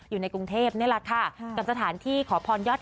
อยู่ในกรุงเทพนี่แหละค่ะ